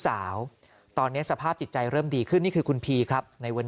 สาวตอนนี้สภาพจิตใจเริ่มดีขึ้นนี่คือคุณพีครับในวัน